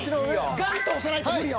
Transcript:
ガンと押さないと無理よ。